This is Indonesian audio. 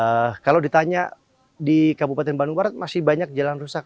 nah kalau ditanya di kabupaten bandung barat masih banyak jalan rusak